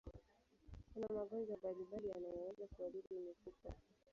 Kuna magonjwa mbalimbali yanayoweza kuathiri mifupa.